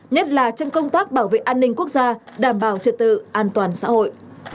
nhất là trong công tác bảo vệ an ninh quốc gia đảm bảo trật tự an toàn xã hội